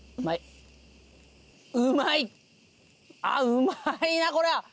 うまいなこりゃ！